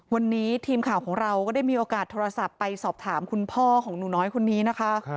วันนี้ทีมข่าวของเราก็ได้มีโอกาสโทรศัพท์ไปสอบถามคุณพ่อของหนูน้อยคนนี้นะคะ